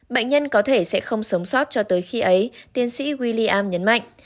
bệnh nhân có thể sẽ không sống sót cho tới khi ấy tiến sĩ william nhấn mạnh